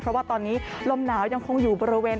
เพราะว่าตอนนี้ลมหนาวยังคงอยู่บริเวณ